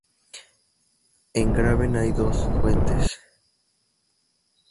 En Graben hay dos fuentes.